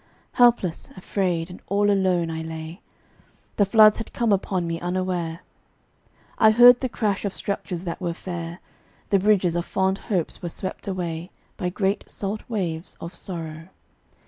Helpless, afraid, and all alone, I lay; The floods had come upon me unaware. I heard the crash of structures that were fair; The bridges of fond hopes were swept away By great salt waves of sorrow.